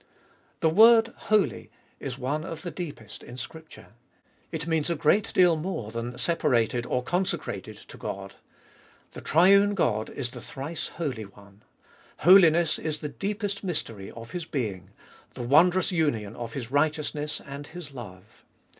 The word Holy is one of the deepest in Scripture. It means a great deal more than separated or consecrated to God. The Triune God is the Thrice Holy One: Holiness is the deepest mystery of His Being, the wondrous union of His righteousness and His love.